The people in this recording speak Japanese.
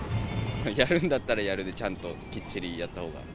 やるんだったらやるでちゃんときっちりやったほうが。